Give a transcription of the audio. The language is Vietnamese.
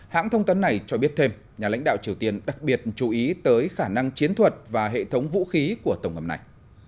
hãng thông tấn này cho biết thêm nhà lãnh đạo triều tiên đặc biệt chú ý tới khả năng chiến thuật và hệ thống vũ khí của tàu ngầm này